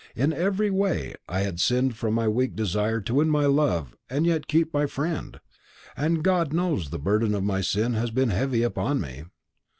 In every way I had sinned from my weak desire to win my love and yet keep my friend; and God knows the burden of my sin has been heavy upon me.